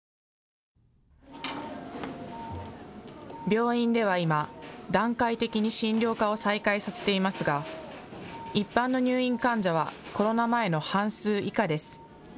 病院では今、段階的に診療科を再開させていますが一般の入院患者はコロナ前の半数以下です。